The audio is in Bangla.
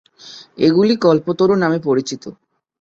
এগুলি কল্পতরু নামে পরিচিত।